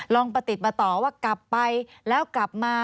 ประติดประต่อว่ากลับไปแล้วกลับมา